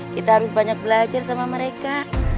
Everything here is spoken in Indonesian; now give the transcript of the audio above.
kita harus banyak belajar sama mereka